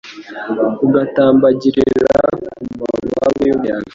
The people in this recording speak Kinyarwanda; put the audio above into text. ugatambagirira ku mababa y’umuyaga